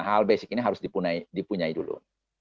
hal basic ini harus dipunyai dulu